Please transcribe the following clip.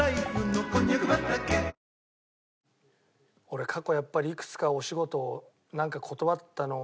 俺過去やっぱりいくつかお仕事を断ったの